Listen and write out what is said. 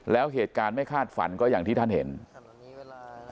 แล้วเหตุการณ์ไม่คาดฝันก็อย่างที่ท่านเห็นละครั้งนี้เวลา